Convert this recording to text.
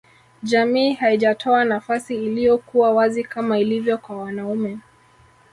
Jamii haijatoa nafasi iliyokuwa wazi kama ilivyo kwa wanaume